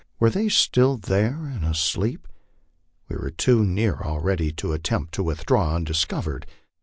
Were they still there and asleep? We were too near already to attempt to withdraw undiscovered.